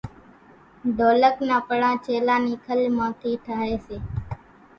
ڍولڪ نان پڙان ڇيلا نِي کلِ مان ٿِي ٺۿائيَ سي۔